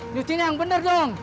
nyuci nih yang bener dong